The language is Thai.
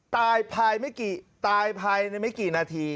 ตายภายไม่กี่ตายภายในไม่กี่นาที